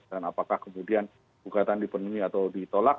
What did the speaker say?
dan apakah kemudian gugatan dipenuhi atau ditolak